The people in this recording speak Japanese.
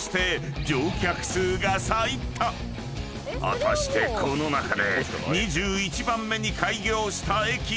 ［果たしてこの中で２１番目に開業した駅は？］